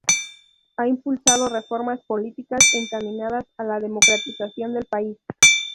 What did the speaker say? Ha impulsado reformas políticas encaminadas a la democratización del país.